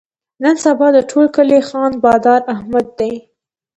نن سبا د ټول کلي خان بادار احمد دی.